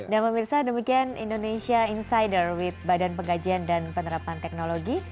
dan memirsa demikian indonesia insider with badan pengkajian dan penerapan teknologi